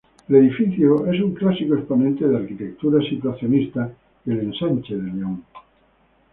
El edificio es un clásico exponente de arquitectura situacionista del Ensanche de León.